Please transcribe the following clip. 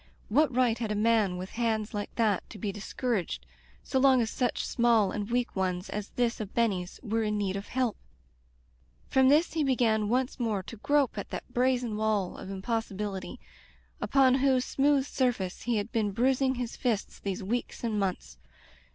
What right had a man with hands like that to be discouraged, so long as such small and weak ones as this of Benny's were in need of help ? From this he began once more to grope at that brazen wall of impossibility upon whose Digitized by LjOOQ IC Interventions smooth surface he had been bruising his fists these weeks and months.